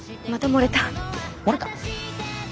漏れた？